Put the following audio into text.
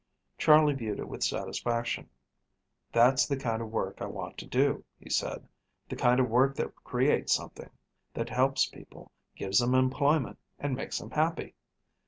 Charley viewed it with satisfaction. "That's the kind of work I want to do," he said. "The kind of work that creates something, that helps people, gives them employment, and makes them happy.